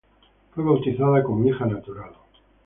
Fue bautizada como hija natural.